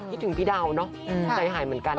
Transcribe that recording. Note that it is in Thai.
ถึงพี่ดาวเนอะใจหายเหมือนกัน